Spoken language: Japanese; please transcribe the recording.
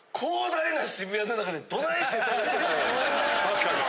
確かに。